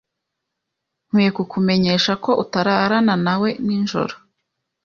Nkwiye kukumenyesha ko utararana nawe ninjoro